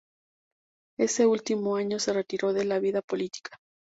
Ese último año se retiró de la vida política.